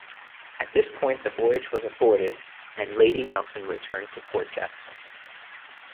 At this point the voyage was aborted and "Lady Nelson" returned to Port Jackson.